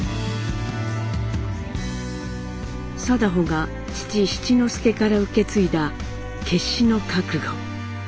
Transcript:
禎穗が父・七之助から受け継いだ決死の覚悟